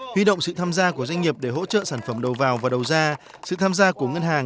huy động sự tham gia của doanh nghiệp để hỗ trợ sản phẩm đầu vào và đầu ra sự tham gia của ngân hàng